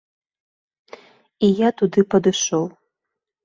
І я туды падышоў.